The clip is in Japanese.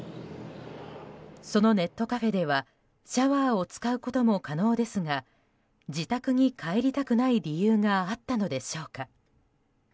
そのネットカフェではシャワーを使うことも可能ですが自宅に帰りたくない理由があったのでしょうか。